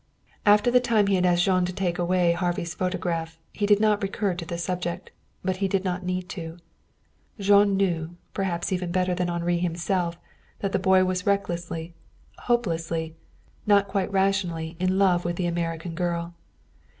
After the time he had asked Jean to take away Harvey's photograph he did not recur to the subject, but he did not need to. Jean knew, perhaps even better than Henri himself, that the boy was recklessly, hopelessly, not quite rationally in love with the American girl.